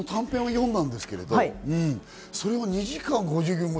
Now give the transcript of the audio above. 僕、短編を読んだんですけれど、それを２時間５９分。